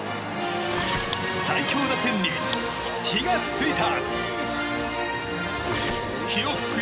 最強打線に火が付いた。